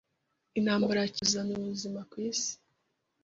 Intambara ya kirimbuzi izazana ubuzima kuri iyi si.